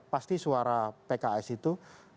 pasti suara pks itu